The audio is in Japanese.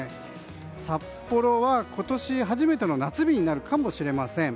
札幌は今年初めての夏日になるかもしれません。